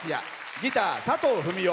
ギター、佐藤文夫。